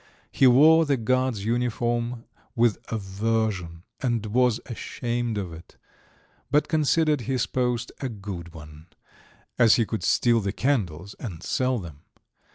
He wore the guard's uniform with aversion and was ashamed of it, but considered his post a good one, as he could steal the candles and sell them.